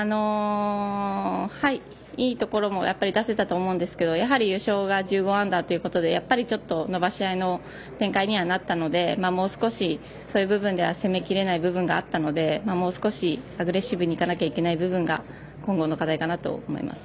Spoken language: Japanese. いいところも出せたと思うんですけど優勝が１５アンダーということで伸ばし合いの展開にはなったのでもう少し、そういう部分では攻めきれない部分があったのでもう少しアグレッシブにいかなきゃいけない部分が今後の課題かなと思います。